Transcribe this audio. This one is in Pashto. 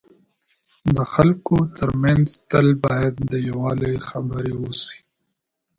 د خلکو ترمنځ تل باید د یووالي خبري وسي.